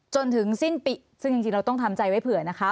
จนถึงสิ้นปีซึ่งจริงเราต้องทำใจไว้เผื่อนะคะ